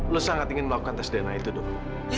lo sangat ingin melakukan tes dna itu dul